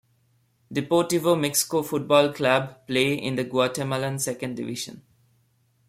Deportivo Mixco football club play in the Guatemalan second division.